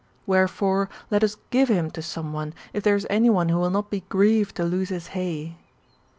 ] Wherefore, let us give him to some one, if there is any one who will not be grieved to lose his hay.